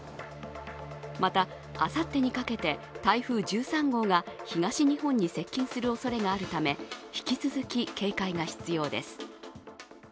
また、あさってにかけて台風１３号が東日本に接近するおそれがあるため、引き続き警戒が必要です。